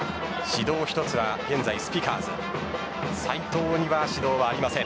指導１つは現在スピカーズです。